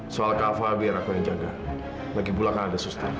soal kak fahad biar aku yang jaga lagipula kan ada suster